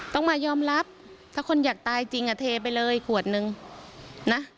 ต้องมายอมรับถ้าคนอยากตายจริงเทไปเลยขวดนึงนะ